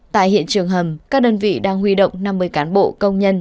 tại hiện trường hầm các đơn vị đang huy động năm mươi cán bộ công nhân